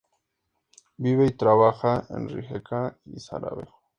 Vive y trabaja en Rijeka y Sarajevo.